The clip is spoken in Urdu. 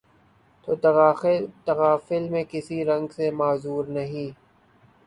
تو تغافل میں کسی رنگ سے معذور نہیں